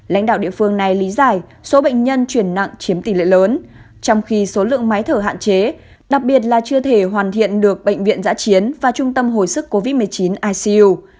lãnh đạo địa phương này lý giải số bệnh nhân chuyển nặng chiếm tỷ lệ lớn trong khi số lượng máy thở hạn chế đặc biệt là chưa thể hoàn thiện được bệnh viện giã chiến và trung tâm hồi sức covid một mươi chín icu